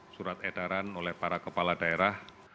surat edaran oleh para kepala daerah